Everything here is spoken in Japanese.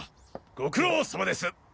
ご苦労様です。